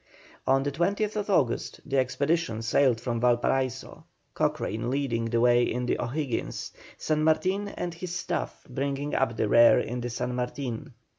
On the 20th August the expedition sailed from Valparaiso, Cochrane leading the way in the O'Higgins, San Martin and his staff bringing up the rear in the San Martin.